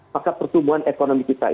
maka pertumbuhan ekonomi kita